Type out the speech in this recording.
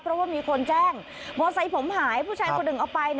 เพราะว่ามีคนแจ้งมอไซค์ผมหายผู้ชายคนหนึ่งเอาไป